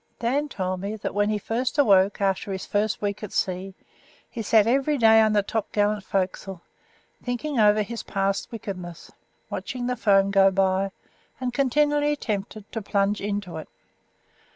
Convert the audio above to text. Dan told me that when he awoke after his first week at sea, he sat every day on the topgallant forecastle thinking over his past wickedness, watching the foam go by, and continually tempted to plunge into it.